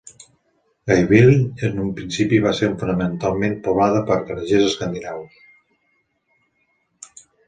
Gayville en un principi va ser fonamentalment poblada per grangers escandinaus.